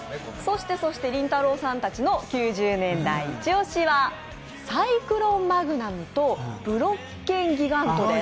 そしてりんたろーさんたちの９０年代イチ押しはサイクロンマグナムとブロッケンギガントです。